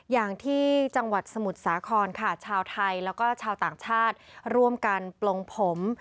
อย่างที่จังหวัดสมุทรสาครค่ะชาวไทยแล้วก็ชาวต่างชาติร่วมกันปลงผม